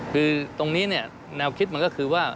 คือตรงนี้เนี่ยแนวคิดมันก็คือว่า